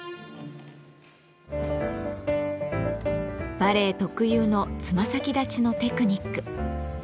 バレエ特有のつま先立ちのテクニック。